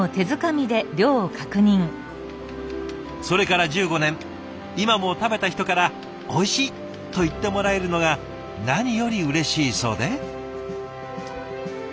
それから１５年今も食べた人から「おいしい」と言ってもらえるのが何よりうれしいそうで。